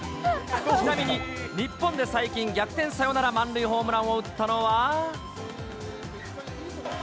ちなみに日本で最近、逆転サヨナラ満塁ホームランを打ったのは。